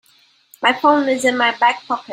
My phone is in my back pocket.